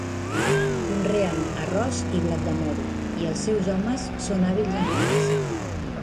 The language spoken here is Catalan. Conreen arròs i blat de moro, i els seus homes són hàbils en la caça.